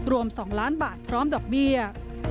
รวม๒ล้านบาทพร้อมดอกเบี้ย